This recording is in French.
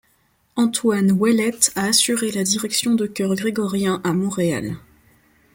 Antoine Ouellette a assuré la direction de chœurs grégoriens à Montréal.